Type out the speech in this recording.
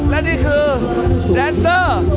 และนี่คือแดนเซอร์